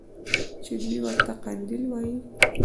چې دوى ورته قنديل ويل.